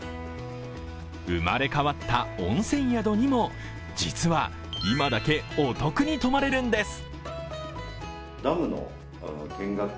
生まれ変わった温泉宿にも、実は今だけお得に泊まれるんです。